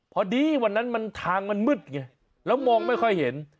พอดีวันนั้นมันทางมันมืดไงแล้วมองไม่ค่อยเห็น